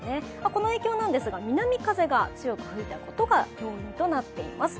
この影響なんですが、南風が強く吹いたことが主となっています。